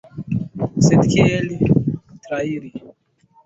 Sed kiel trairi?